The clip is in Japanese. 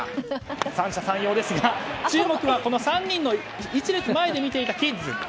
三者三様ですが注目はこの３人の１列前で見ていたキッズ。